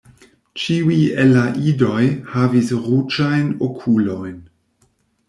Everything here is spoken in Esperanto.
Ĉiuj el la idoj havis ruĝajn okulojn.